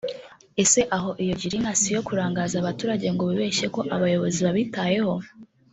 Ese aho iyo girinka s’iyo kurangaza abaturage ngo bibeshye ko abayobozi babitayeho